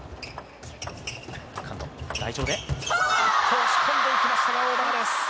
押し込んでいきましたがオーバーです。